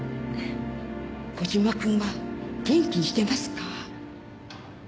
小島くんは元気にしてますか？